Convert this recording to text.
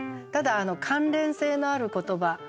ただ関連性のある言葉